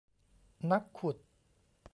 นักขุด